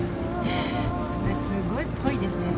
それすごいっぽいですね。